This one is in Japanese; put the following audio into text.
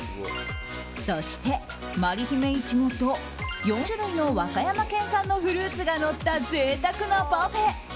そして、まりひめ苺と４種類の和歌山県産のフルーツがのったぜいたくなパフェ。